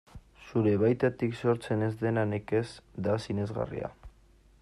Zure baitatik sortzen ez dena nekez da sinesgarria.